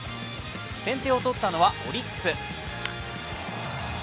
先手をとったのはオリックス。